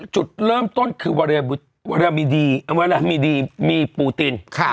จุดเริ่มต้นคือวาเลดีมีปูติน